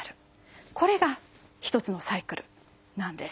これが一つのサイクルなんです。